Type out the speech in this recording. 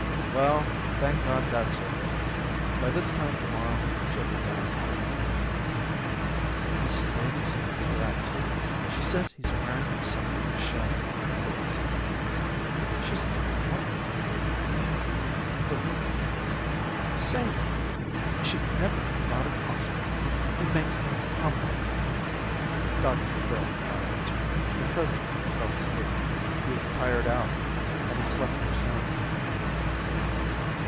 "Well, thank God that's over. By this time to morrow she'll be gone." "Mrs Davidson will be glad too. She says he's wearing himself to a shadow," said Mrs Macphail. "She's a different woman." "Who?" "Sadie. I should never have thought it possible. It makes one humble." Dr Macphail did not answer, and presently he fell asleep. He was tired out, and he slept more soundly than usual.